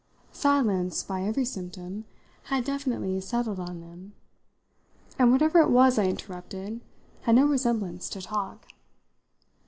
Silence, by every symptom, had definitely settled on them, and whatever it was I interrupted had no resemblance to talk.